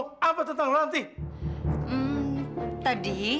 kamu berbicara gelap omongnya dengan juwan